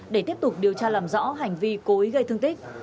để tiếp tục điều tra làm rõ hành vi cố ý gây thương tích